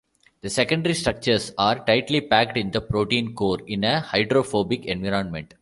The secondary structures are tightly packed in the protein core in a hydrophobic environment.